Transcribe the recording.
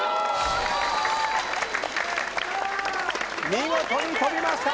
見事に跳びました。